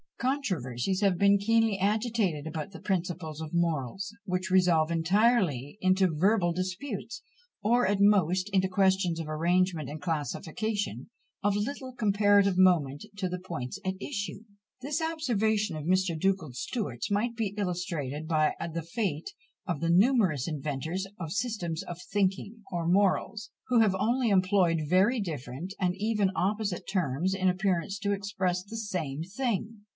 Controversies have been keenly agitated about the principles of morals, which resolve entirely into verbal disputes, or at most into questions of arrangement and classification, of little comparative moment to the points at issue. This observation of Mr. Dugald Stewart's might be illustrated by the fate of the numerous inventors of systems of thinking or morals, who have only employed very different and even opposite terms in appearance to express the same thing.